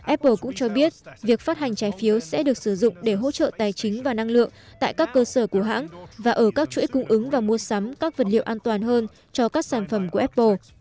apple cũng cho biết việc phát hành trái phiếu sẽ được sử dụng để hỗ trợ tài chính và năng lượng tại các cơ sở của hãng và ở các chuỗi cung ứng và mua sắm các vật liệu an toàn hơn cho các sản phẩm của apple